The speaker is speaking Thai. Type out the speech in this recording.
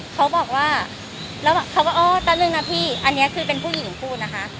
เขาบอกว่าแล้วเขาก็อ๋อตะลึงนะพี่อันนี้คือเป็นผู้หญิงพูดนะคะ